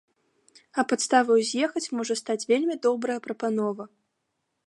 А падставаю з'ехаць можа стаць вельмі добрая прапанова.